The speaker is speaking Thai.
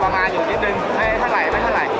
เขาก็มาอยู่นิดนึงท่าไหล่